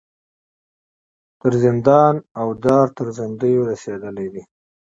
تر زندان او دار تر زندیو رسېدلي دي.